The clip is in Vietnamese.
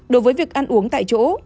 đối với việc ăn uống tại chỗ